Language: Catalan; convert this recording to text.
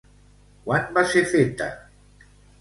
Quan va ser feta?